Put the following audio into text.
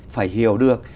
phải hiểu được